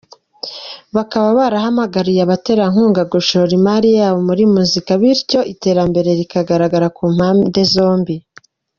Bakaba barahamagariye abaterankunga gushora imari yabo muri muzika bityo iterambere rikagaragara ku mpande zose.